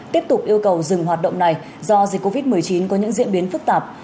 tiếp tục yêu cầu dừng hoạt động này do dịch covid một mươi chín có những diễn biến phức tạp